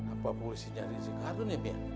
apa polisi nyari si kardut ya